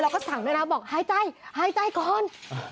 แล้วก็สั่งด้วยนะบอกหายใจหายใจก่อน